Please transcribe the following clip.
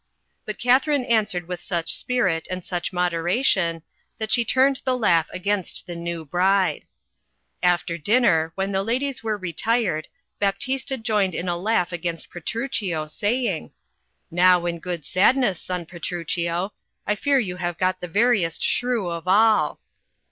But Katharine answered with such spirit and such moderation, that she turned the laugh against the ney^ bride. After dinner, when the ladies were retired, Baptista joined in a laugh against Petruchio, saying — "Now in good sadness, son Petruchio, I fear you have got the veriest shrew of all."